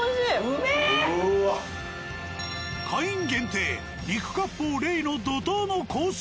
会員限定「肉割烹礼」の怒涛のコース